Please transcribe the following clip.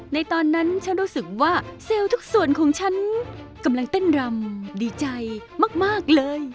ในตอนนั้นฉันรู้สึกว่าเซลล์ทุกส่วนของฉันกำลังเต้นรำดีใจมากเลย